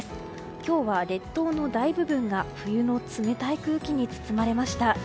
今日は列島の大部分が冬の冷たい空気に包まれました。